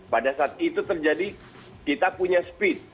pada saat itu terjadi kita punya speed